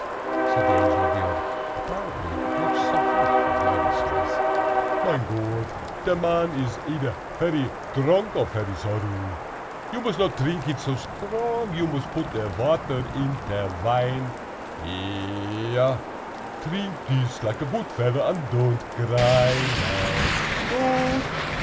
said the Angel of the Odd, apparently much softened at my distress; "mein Gott, te man is eder ferry dronk or ferry zorry. You mos not trink it so strong—you mos put te water in te wine. Here, trink dis, like a goot veller, und don't gry now—don't!"